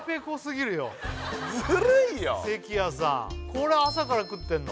これ朝から食ってんの？